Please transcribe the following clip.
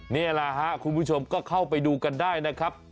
นี่แหละครับคุณผู้ชมก็เข้าไปดูกันได้นะครับ